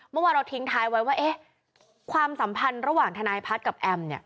เมื่อวานเราทิ้งท้ายไว้ว่าความสัมพันธ์ระหว่างทนายพัฒน์กับแอมเนี่ย